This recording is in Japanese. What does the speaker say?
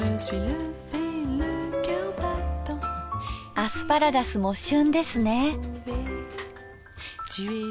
アスパラガスも旬ですね。